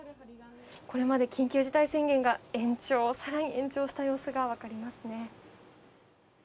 これまで緊急事態宣言が延長した様子が分かりますね。